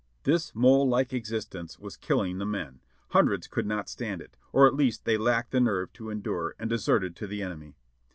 This mole like existence was killing the men ; hundreds could not stand it, or at least they lacked the nerve to endure, and de serted to the enemy.